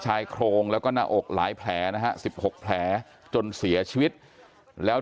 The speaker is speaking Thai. ชายโครงแล้วก็หน้าอกหลายแผลนะฮะ๑๖แผลจนเสียชีวิตแล้ว